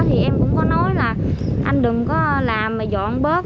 thì em cũng có nói là anh đừng có làm mà dọn bớt